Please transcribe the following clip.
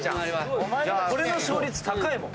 これの勝率高いもん。